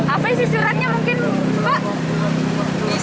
apa sih suratnya mungkin pak